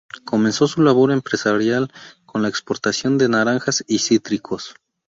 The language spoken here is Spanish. Comenzó su labor empresarial con la exportación de naranjas y cítricos.